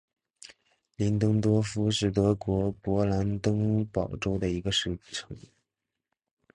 林登多夫是德国勃兰登堡州的一个市镇。